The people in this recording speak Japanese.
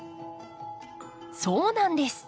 そうなんです。